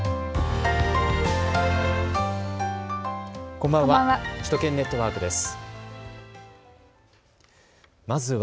こんばんは。